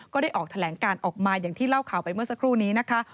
ก็ได้ออกแถลงการออกมาอย่างที่เล่าข่าวไปเมื่อสักครู่นี้นะคะ